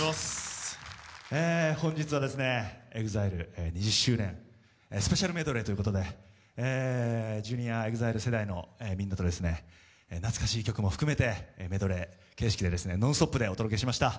本日はエグザイル２０周年、スペシャルメドレーということでジュニアＥＸＩＬＥ世代のみんなと懐かしい曲も含めてメドレー形式でノンストップでお届けしました。